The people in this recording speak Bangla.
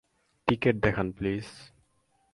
টিকেট দেখান, প্লিজ।